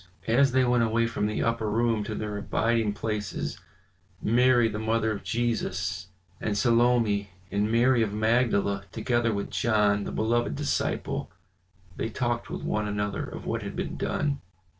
As they went away from the upper room to their abiding places, Mary the mother of Jesus, and Salome, and Mary of Magdala together with John, the beloved disciple, they talked with one another of what had been done.